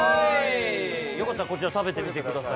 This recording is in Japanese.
よかったらこちら食べてみてください